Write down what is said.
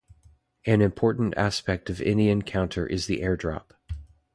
An important aspect of any Encounter is the airdrop.